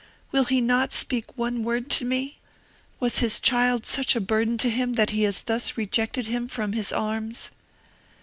Will he not speak one word to me? Was his child such a burden to him that he has thus rejected him from his arm's?"